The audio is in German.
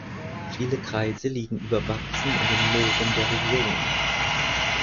Viele Kreise liegen überwachsen in den Mooren der Region.